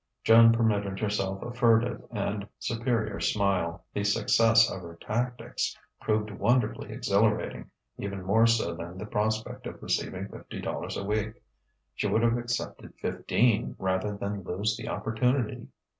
Joan permitted herself a furtive and superior smile. The success of her tactics proved wonderfully exhilarating, even more so than the prospect of receiving fifty dollars a week; she would have accepted fifteen rather than lose the opportunity.